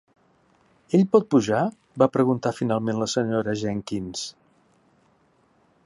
"Ell pot pujar?" va preguntar finalment la senyora Jenkyns.